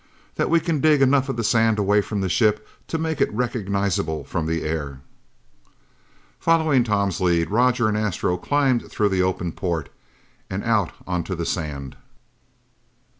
"That we can dig enough of the sand away from the ship to make it recognizable from the air." Following Tom's lead, Roger and Astro climbed through the open port and out onto the sand.